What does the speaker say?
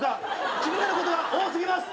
気になることが多過ぎます！